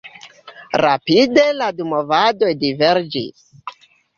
Rapide la du movadoj diverĝis.